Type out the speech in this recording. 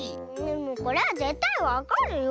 これはぜったいわかるよ。